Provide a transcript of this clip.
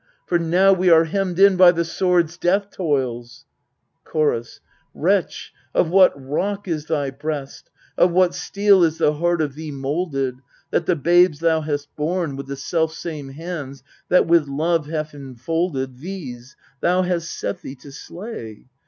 For now we are hemmed in by the sword's death toils ! CHORUS Wretch! of what rock is thy breast? of what steel is the heart of thee moulded, That the babes thou hast borne, with the selfsame hands that with love have enfolded These, thou hast set thee to slay